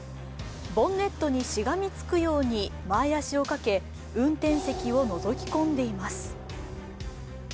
ボンネットにしがみつくように前足をかけ運転席をのぞき込んでいます。